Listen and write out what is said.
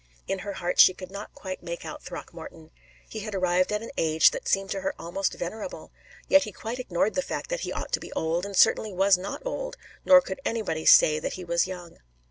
In her heart she could not quite make out Throckmorton. He had arrived at an age that seemed to her almost venerable; yet he quite ignored the fact that he ought to be old, and certainly was not old, nor could anybody say that he was young.